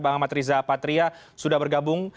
bang amat riza patria sudah bergabung